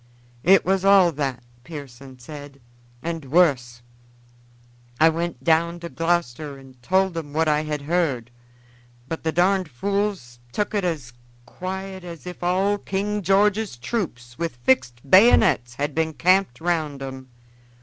"It was all that," Pearson said, "and wuss. I went down to Gloucester and told 'em what I had heard, but the darned fools tuk it as quiet as if all King George's troops with fixed bayonets had been camped round 'em.